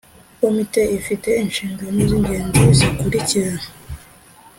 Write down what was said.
komite ifite inshingano z ingenzi zikurikira